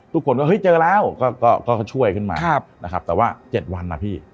ทุกคนว่าเฮ้ยเจอแล้วก็ช่วยขึ้นมานะครับแต่ว่า๗วันนะพี่